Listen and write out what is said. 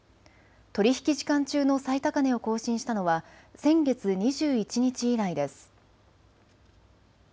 取り引き時間中の最高値を更新したのは先月２１日以来です。